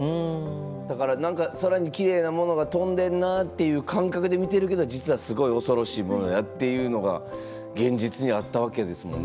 だから何か空にきれいなものが飛んでんなっていう感覚で見てるけど実はすごい恐ろしいものだっていうのが現実にあったわけですもんね。